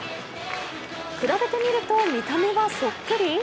比べてみると、見た目はそっくり？